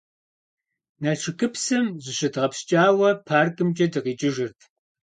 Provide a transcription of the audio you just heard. Налшыкыпсым зыщыдгъэпскӀауэ паркымкӀэ дыкъикӀыжырт.